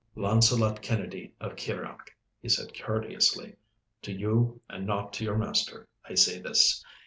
'Launcelot Kennedy of Kirrieoch,' he said, courteously, 'to you and not to your master, I say this.